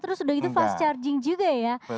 terus udah gitu fast charging juga ya